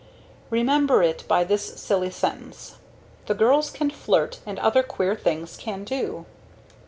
Remember it by this silly sentence: "The girls can flirt and other queer things can do."